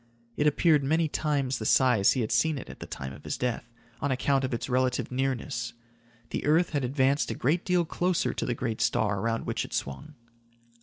It appeared many times the size he had seen it at the time of his death, on account of its relative nearness. The earth had advanced a great deal closer to the great star around which it swung.